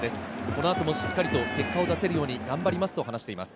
この後もしっかりと結果を出せるように頑張りますと話しています。